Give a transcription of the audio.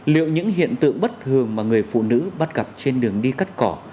liệu những hiện tượng bất thường mà người phụ nữ bắt gặp trên đường đi cắt cỏ